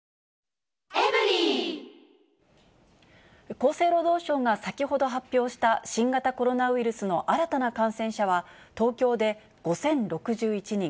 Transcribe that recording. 厚生労働省が先ほど発表した新型コロナウイルスの新たな感染者は東京で５０６１人。